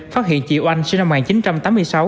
phát hiện chị oanh sinh năm một nghìn chín trăm tám mươi sáu